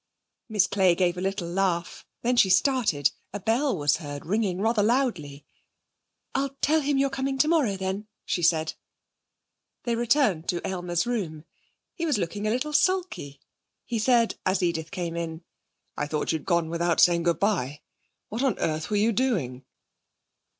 "' Miss Clay gave a little laugh. Then she started. A bell was heard ringing rather loudly. 'I'll tell him you're coming tomorrow, then,' she said. They returned to Aylmer's room. He was looking a little sulky. He said as Edith came in: 'I thought you'd gone without saying good bye. What on earth were you doing?'